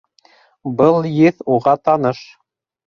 Был еҫ уға таныш!